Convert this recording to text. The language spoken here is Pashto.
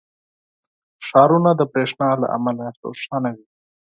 • ښارونه د برېښنا له امله روښانه وي.